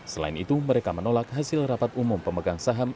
selain itu mereka menolak hasil rapat umum pemegang saham